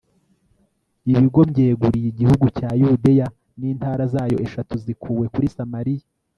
ibigo mbyeguriye igihugu cya yudeya n'intara zayo eshatu zikuwe kuri samariya .